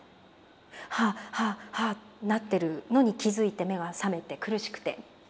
ハアハアハアなってるのに気付いて目が覚めて苦しくて。